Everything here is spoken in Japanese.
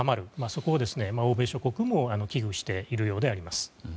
そこを欧米諸国も危惧しているようです。